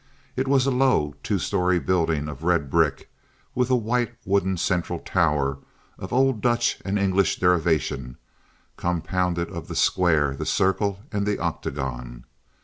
It was a low two story building of red brick, with a white wooden central tower of old Dutch and English derivation, compounded of the square, the circle, and the octagon.